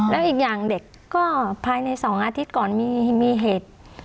แล้วอีกอย่างเด็กก็ภายใน๒อาทิตย์ก่อนมีเหตุ